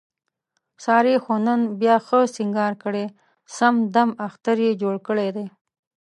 سارې خو نن بیا ښه سینګار کړی، سم دمم اختر یې جوړ کړی دی.